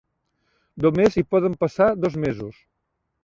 Només hi poden passar dos mesos.